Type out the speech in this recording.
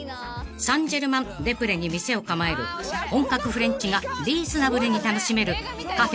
サンジェルマン・デ・プレに店を構える本格フレンチがリーズナブルに楽しめる］